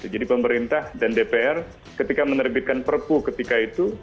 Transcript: jadi pemerintah dan dpr ketika menerbitkan perpu ketika itu